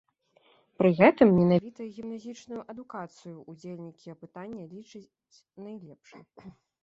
Пры гэтым менавіта гімназічную адукацыю ўдзельнікі апытання лічаць найлепшай.